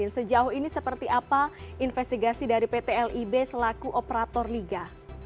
sejauh ini seperti apa investigasi dari pt lib selaku operator liga